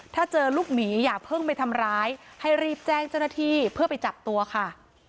ถ้าเจอลูกหมีอย่าเพิ่งไปทำร้ายให้รีบแจ้งเจ้าหน้าที่เพื่อไปจับตัวค่ะ